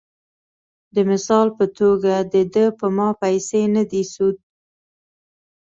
د مثال پۀ توګه د دۀ پۀ ما پېسې نۀ دي سود ،